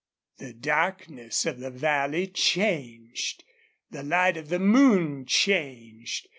The darkness of the valley changed. The light of the moon changed.